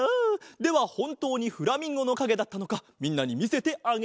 ではほんとうにフラミンゴのかげだったのかみんなにみせてあげよう。